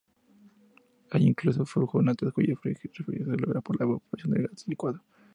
Hay incluso furgonetas cuya refrigeración se logra por la evaporación del gas licuado.